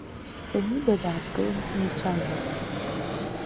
Саниба, дааҭгылан, ҳнеицәажәеит.